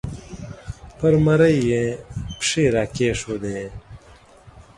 پر مرۍ یې پښې را کېښودې